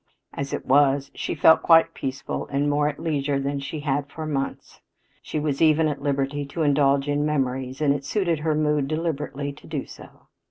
As it was, she felt quite peaceful and more at leisure than she had for months. She was even at liberty to indulge in memories and it suited her mood deliberately to do so.